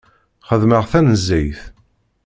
Xeddmeɣ tanezzayt.